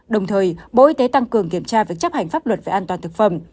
đồng thời bộ y tế tăng cường kiểm tra việc chấp hành pháp luật về an toàn thực phẩm